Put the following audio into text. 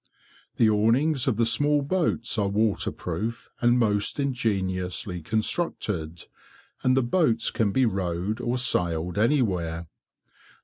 The awnings of the small boats are waterproof, and most ingeniously constructed, and the boats can be rowed or sailed anywhere.